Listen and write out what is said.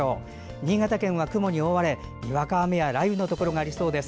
新潟県は雲に覆われにわか雨や雷雨のところがありそうです。